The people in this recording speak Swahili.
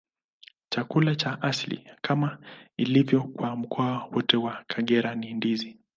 Chakula cha asili, kama ilivyo kwa mkoa wote wa Kagera, ni ndizi.